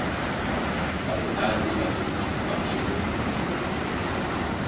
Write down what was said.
Ɓápɛ́pɛ̄ ɓá e ndé ɓato ɓá musombó.